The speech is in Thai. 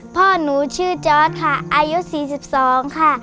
พ่อหนูชื่อจอร์ดค่ะอายุ๔๒ค่ะ